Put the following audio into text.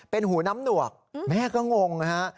เป็นหูน้ำหนวกแม่ก็งงนะฮะ